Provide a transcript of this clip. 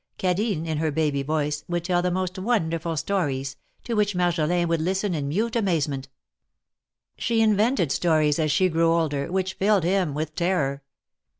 Cadine, in her baby voice, would tell the most wonderful stories, to which Marjolin would listen in mute amazement. She invented stories, as she grew older, which filled him with terror.